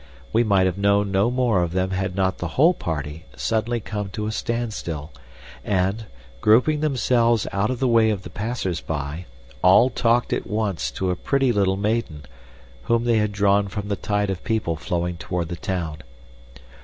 We might have known no more of them had not the whole party suddenly come to a standstill and, grouping themselves out of the way of the passersby, all talked at once to a pretty little maiden, whom they had drawn from the tide of people flowing toward the town.